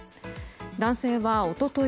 男性は一昨日